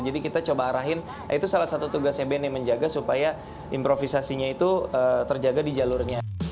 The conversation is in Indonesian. jadi kita coba arahin itu salah satu tugasnya bnn menjaga supaya improvisasinya itu terjaga di jalurnya